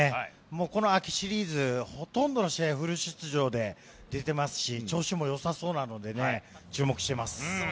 もうこの秋シリーズ、ほとんどの試合、フル出場で出てますし、調子もよさそうなのでね、注目してます。